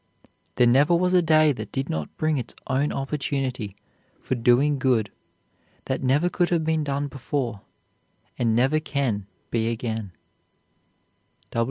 There never was a day that did not bring its own opportunity for doing good that never could have been done before, and never can be again.